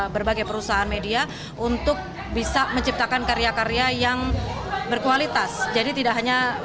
berbagai perusahaan media untuk bisa menciptakan karya karya yang berkualitas jadi tidak hanya